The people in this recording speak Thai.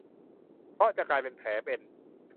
เพราะจะกลายเป็นแผลเป็น